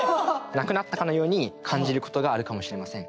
なくなったかのように感じることがあるかもしれません。